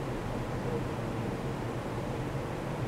tu as été aimé.